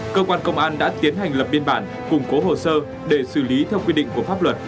cơ quan công an đã tiến hành lập biên bản củng cố hồ sơ để xử lý theo quy định của pháp luật